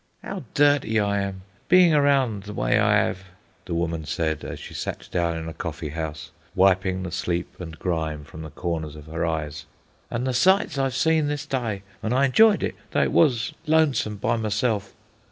"'Ow dirty I am, bein' around the w'y I 'ave," the woman said, as she sat down in a coffee house, wiping the sleep and grime from the corners of her eyes. "An' the sights I 'ave seen this d'y, an' I enjoyed it, though it was lonesome by myself.